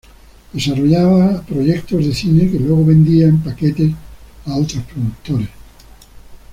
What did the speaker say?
Desarrollaba proyectos de cine que luego vendía en paquetes a otros productores.